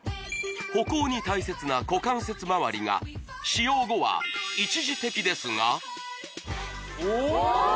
歩行に大切な股関節周りが使用後は一時的ですがおおっ！